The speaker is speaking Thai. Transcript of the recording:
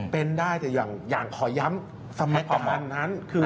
เป็นได้แต่อย่างยังขอย้ำ